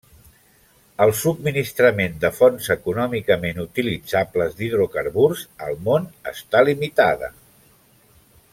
El subministrament de fonts econòmicament utilitzables d'hidrocarburs al món està limitada.